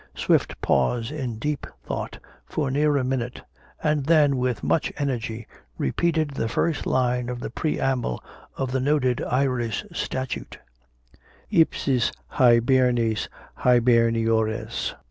Swift paused in deep thought for near a minute, and then with much energy repeated the first line of the preamble of the noted Irish statute _Ipsis Hibernis Hiberniores!